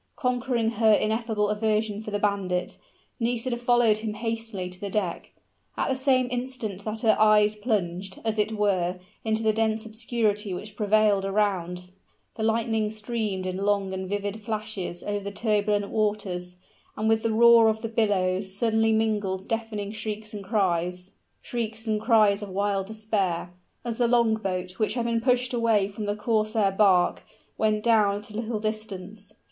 Conquering her ineffable aversion for the bandit, Nisida followed him hastily to the deck. At the same instant that her eyes plunged, as it were, into the dense obscurity which prevailed around, the lightning streamed in long and vivid flashes over the turbulent waters, and with the roar of the billows suddenly mingled deafening shrieks and cries shrieks and cries of wild despair, as the long boat, which had been pushed away from the corsair bark, went down at a little distance.